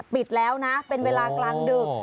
ปิดแล้วนะเป็นเวลากลางดึก